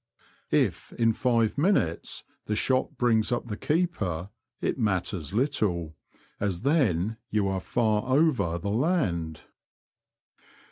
If in five minutes the shot brings up the keeper it matters little, as then you are far over the land.